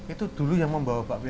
itu dulu yang membawa bakpia ke jogja